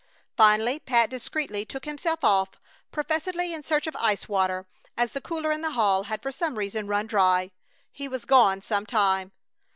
Finally Pat discreetly took himself off, professedly in search of ice water, as the cooler in the hall had for some reason run dry. He was gone some time.